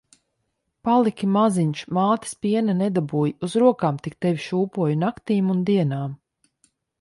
Paliki maziņš, mātes piena nedabūji. Uz rokām tik tevi šūpoju naktīm un dienām.